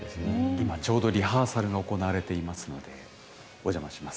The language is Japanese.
今ちょうどリハーサルが行われていますのでおじゃまします。